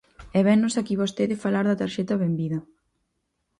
E vénnos aquí vostede falar da Tarxeta Benvida.